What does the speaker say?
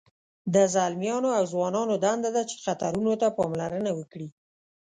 د ځلمیانو او ځوانانو دنده ده چې خطرونو ته پاملرنه وکړي.